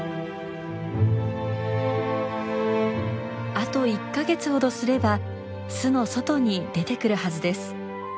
あと１か月ほどすれば巣の外に出てくるはずです。